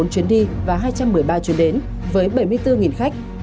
hai trăm một mươi bốn chuyến đi và hai trăm một mươi ba chuyến đến với bảy mươi bốn khách